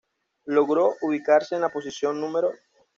Logró ubicarse en la posición No.